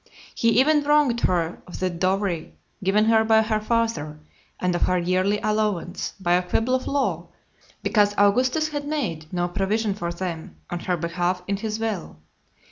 He even wronged her of the dowry given her by her father, and of her yearly allowance, by a quibble of law, because Augustus had made no provision for them on her behalf in his will.